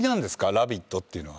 「ラビット」っていうのは。